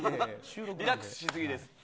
リラックスしすぎです。